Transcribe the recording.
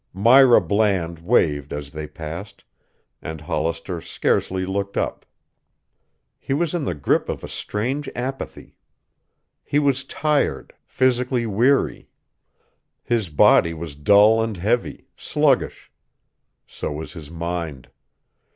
Myra Bland waved as they passed, and Hollister scarcely looked up. He was in the grip of a strange apathy. He was tired, physically weary. His body was dull and heavy, sluggish. So was his mind.